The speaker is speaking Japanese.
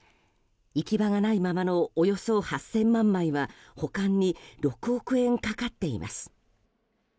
行き場がないままのおよそ８０００万枚は保管に６億円かかっています。